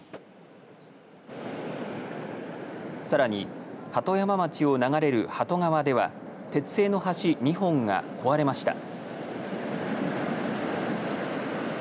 さらに鳩山町を流れる鳩川では鉄製の橋、２本が壊れました。